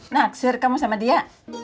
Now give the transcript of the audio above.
nah sir kamu sama dia